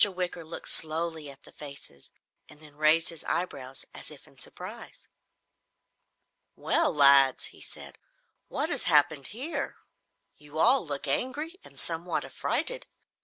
Wicker looked slowly at all the faces and then raised his eyebrows as if in surprise. "Well, lads," he said, "what has happened here? You all look angry and somewhat a frighted.